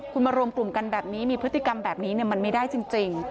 คุณมารวมกลุ่มกันแบบนี้มีพฤติกรรมแบบนี้มันไม่ได้จริง